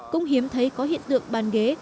cũng hiếm thấy có hiện tượng bàn ghế